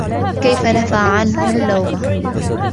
كَيْفَ نَفَى عَنْهُ اللَّوْمَ